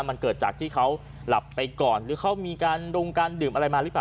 มันเกิดจากที่เขาหลับไปก่อนหรือเขามีการดงการดื่มอะไรมาหรือเปล่า